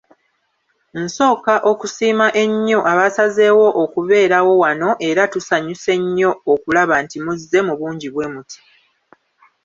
Nsooka okusiima ennyo abasazeewo okubeerawo wano era tusanyuse nnyo okulaba nti muzze mu bungi bwemuti.